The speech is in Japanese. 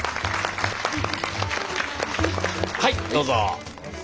はいどうぞ。